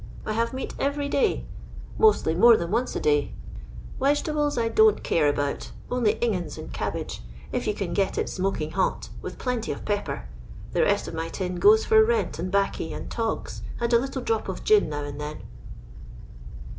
I have meat every day ; mostly more than once a LONDOir LABOUR AND THE LONDON POOR, dfty. Wegetablet I don't care aboat, only ingans and cabbage, if you can get it smoking hot, with plenty of pepper. The rest of my tin goes for rent and baccy and togs, and a little drop of gin now and then."